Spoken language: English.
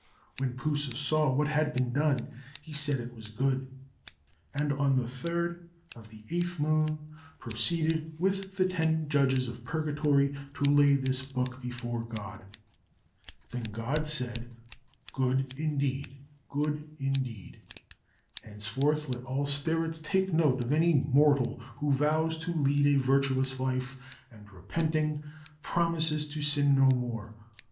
When P'u sa saw what had been done, he said it was good; and on the 3rd of 8th moon proceeded with the ten Judges of Purgatory to lay this book before God. Then God said, "Good indeed! Good indeed! henceforth let all spirits take note of any mortal who vows to lead a virtuous life and, repenting, promises to sin no more.